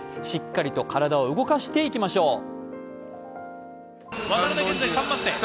しっかりと体を動かしていきましょう。